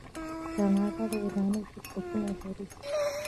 کاناډا د ودانیو شرکتونه لري.